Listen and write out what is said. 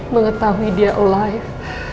mengetahui dia alive